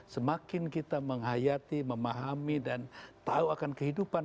semakin kita menghayati memahami dan tahu akan kehidupan